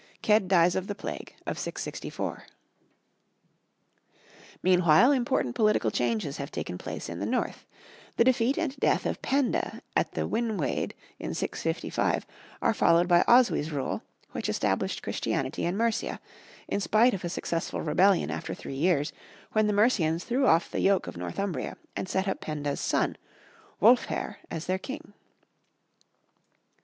Cedd dies of the plague of 664. Meanwhile, important political changes have taken place in the north: the defeat and death of Penda at the Winwaed in 655 are followed by Oswy's rule, which established Christianity in Mercia, in spite of a successful rebellion after three years, when the Mercians threw off the yoke of Northumbria and set up Penda's son, Wulfhere, as their king.